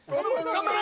頑張れ！